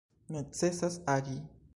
Necesas agi.